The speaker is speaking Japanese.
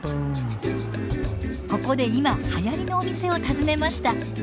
ここで今はやりのお店を訪ねました。